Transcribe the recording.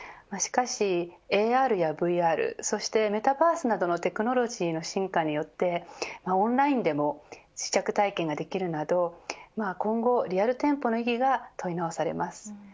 しかしＡＲやＶＲそしてメタバースなどのテクノロジーの進化によってオンラインでも試着体験ができるなど今後、リアル店舗の意義が問い直されます。